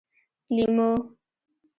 🍋 لېمو